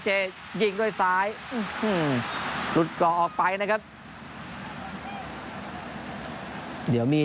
เจ๊ยิงด้วยซ้ายลุดกอออกไป